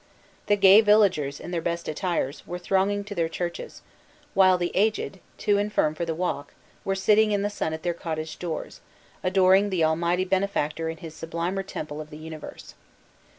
The gay villagers, in their best attires, were thronging to their churches; while the aged, too infirm for the walk, were sitting in the sun at their cottage doors, adoring the Almighty Benefactor in his sublimer temple of the universe.